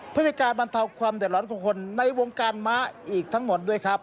เพื่อเป็นการบรรเทาความเดือดร้อนของคนในวงการม้าอีกทั้งหมดด้วยครับ